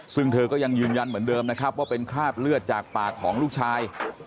ซึ่งเธอก็ยังยืนยันเหมือนเดิมนะครับว่าเป็นคราบเลือดจากปากของลูกชาย